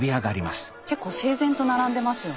結構整然と並んでますよね。